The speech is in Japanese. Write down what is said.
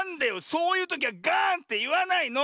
⁉そういうときはガーンっていわないの！